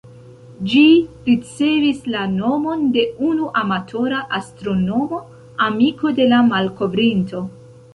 Ĝi ricevis la nomon de unu amatora astronomo, amiko de la malkovrinto.